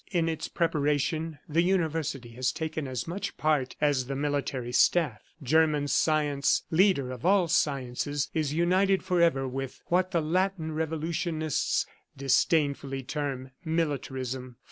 In its preparation the University has taken as much part as the military staff. German science, leader of all sciences, is united forever with what the Latin revolutionists disdainfully term militarism.